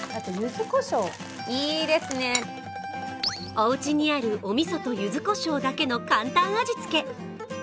おうちにあるおみそとゆずこしょうだけの簡単味付け。